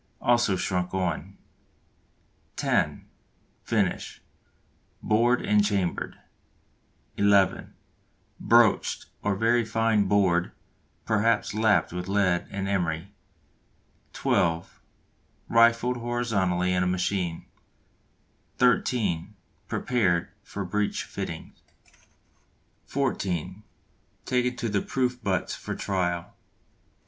also shrunk on. (10) Finish bored and chambered. (11) Broached, or very fine bored, perhaps lapped with lead and emery. (12) Rifled horizontally in a machine. (13) Prepared for breech fittings. (14) Taken to the Proof Butts for trial.